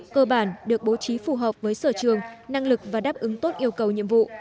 cơ bản được bố trí phù hợp với sở trường năng lực và đáp ứng tốt yêu cầu nhiệm vụ